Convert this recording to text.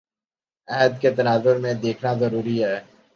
عہد کے تناظر میں دیکھنا ضروری ہے